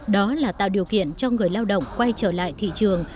đó là tạo điều kiện cho người lao động quay trở lại thị trường